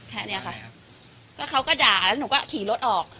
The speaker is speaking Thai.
แค่นี้ค่ะก็เขาก็ด่าแล้วหนูก็ขี่รถออก